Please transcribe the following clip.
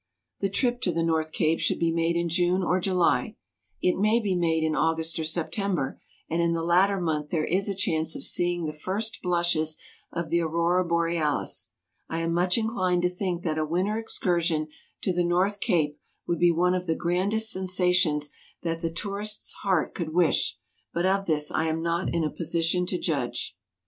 The trip to the North Cape should be made in June or July ; it may be made in August or September, and in the latter month there is a chance of seeing the first blushes of the Aurora Borealis. I am much inclined to think that a winter excursion to the North Cape would be one of the grandest sensations that the. tourist's heart could wish, but of this I am not in a position to judge.